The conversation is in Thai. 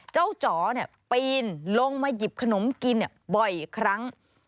จ๋อปีนลงมาหยิบขนมกินบ่อยครั้ง